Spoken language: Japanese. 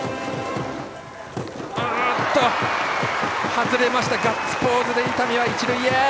外れました、ガッツポーズで伊丹は一塁へ。